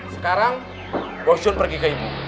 sekarang bos jun pergi ke ibu